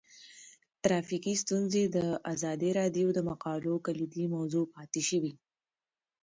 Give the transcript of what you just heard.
ټرافیکي ستونزې د ازادي راډیو د مقالو کلیدي موضوع پاتې شوی.